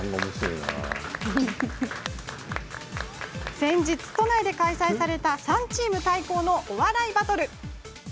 先日、都内で開催された３チーム対抗のお笑いバトル。